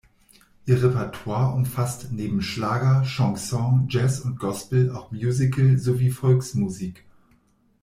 Ihr Repertoire umfasst neben Schlager, Chanson, Jazz und Gospel auch Musical sowie Volksmusik.